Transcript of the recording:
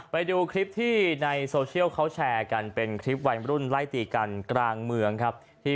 ไปดูคลิปที่ในโซเชียลเขาแชร์กันเป็นคลิปวัยรุ่นไล่ตีกันกลางเมืองครับ